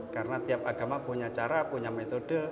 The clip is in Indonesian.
karena tiap agama punya cara punya metode